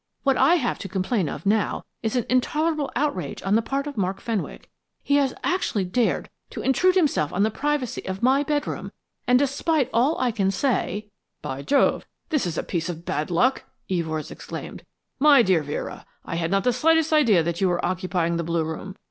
What I have to complain of now is an intolerable outrage on the part of Mark Fenwick. He has actually dared to intrude himself on the privacy of my bedroom, and despite all I can say " "By Jove, this is a piece of bad luck," Evors exclaimed. "My dear Vera, I had not the slightest idea that you were occupying the Blue Room.